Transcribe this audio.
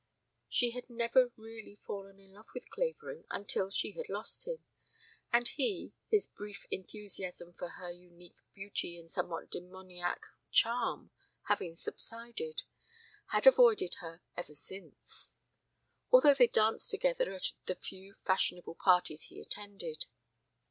She had never really fallen in love with Clavering until she had lost him, and he, his brief enthusiasm for her unique beauty and somewhat demoniac charm having subsided, had avoided her ever since; although they danced together at the few fashionable parties he attended.